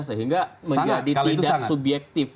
sehingga menjadi tidak subyektif